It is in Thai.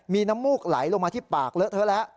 มีน้ำมูกไหลลงมาที่ปากเลอะเทอะแล้ว